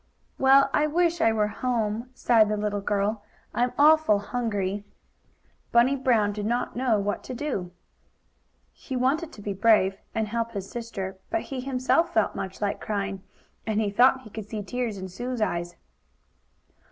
"Well, I wish I were home," sighed the little girl. "I'm awful hungry!" Bunny Brown did not know what to do. He wanted to be brave, and help his sister, but he, himself, felt much like crying, and he thought he could see tears in Sue's eyes.